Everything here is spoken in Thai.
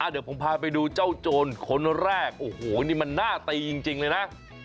เดี๋ยวผมพาไปดูเจ้าโจรคนแรกโอ้โหนี่มันน่าตีจริงเลยนะ